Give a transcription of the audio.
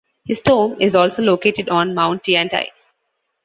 His tomb is also located on Mount Tiantai.